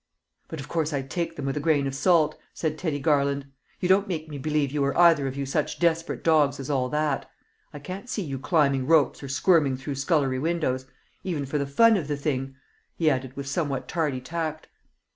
"But of course I take them with a grain of salt," said Teddy Garland; "you don't make me believe you were either of you such desperate dogs as all that. I can't see you climbing ropes or squirming through scullery windows even for the fun of the thing!" he added with somewhat tardy tact.